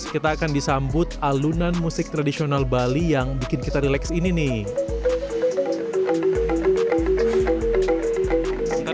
kita akan disambut alunan musik tradisional bali yang bikin kita relax ini nih